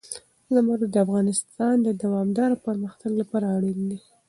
زمرد د افغانستان د دوامداره پرمختګ لپاره اړین دي.